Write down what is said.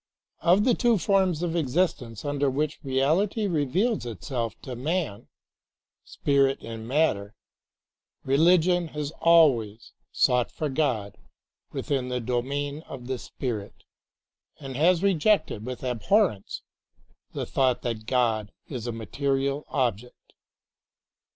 Of the two forms of existence under which reality reveals itself to man, spirit and matter, religion has always sought for God within the domain of the spirit, and has rejected with abhorrence the thought that God is a material object.